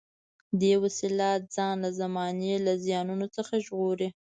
دې وسیله ځان له زمانې له زیانونو څخه ژغوري.